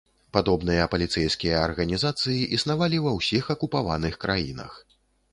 Падобныя паліцэйскія арганізацыі існавалі ва ўсіх акупаваных краінах.